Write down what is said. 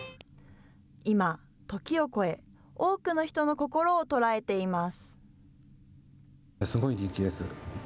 今、時を超え、多くの人の心を捉えています。